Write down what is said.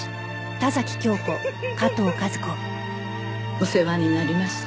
お世話になりました。